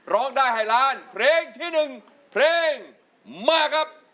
ร้องได้ให้ล้านเพลงที่๑เพลงมาครับ